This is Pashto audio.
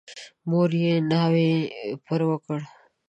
مور یې ناره پر وکړه.